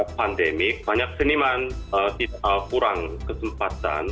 karena pandemi banyak seniman kurang kesempatan